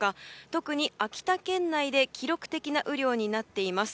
特に秋田県内で記録的な雨量になっています。